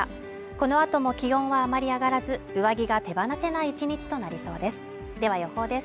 このあとも気温はあまり上がらず上着が手放せない１日となりそうですでは予報です